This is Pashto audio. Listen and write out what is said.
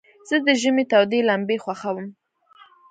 زه د ژمي تودي لمبي خوښوم.